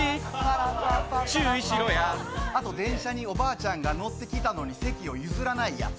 あと電車におばあちゃんが乗ってきたのに席を譲らないやつ。